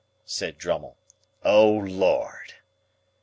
said Drummle. "O, Lord!"